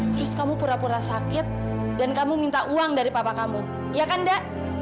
terus kamu pura pura sakit dan kamu minta uang dari papa kamu ya kan dak